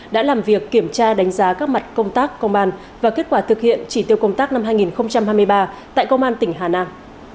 đã làm việc kiểm tra đánh giá các mặt công tác công an và kết quả thực hiện chỉ tiêu công tác năm hai nghìn hai mươi ba tại công an tỉnh hà nam